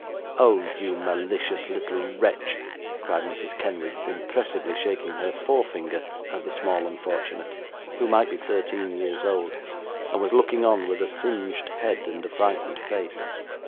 'Oh you malicious little wretch!' cried Mrs. Kenwigs, impressively shaking her forefinger at the small unfortunate, who might be thirteen years old, and was looking on with a singed head and a frightened face.